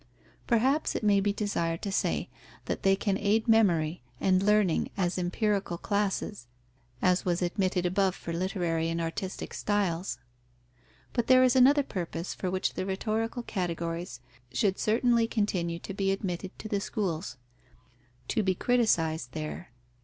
Perhaps it may be desired to say that they can aid memory and learning as empirical classes, as was admitted above for literary and artistic styles. But there is another purpose for which the rhetorical categories should certainly continue to be admitted to the schools: to be criticized there.